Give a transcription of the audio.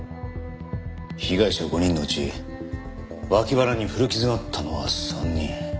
被害者５人のうち脇腹に古傷があったのは３人。